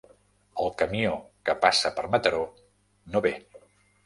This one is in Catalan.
El camió que passa per Mataró no ve.